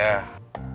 neneng udah masak